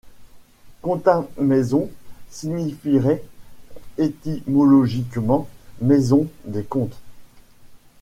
Contalmaison signifierait étymologiquement maison des comtes.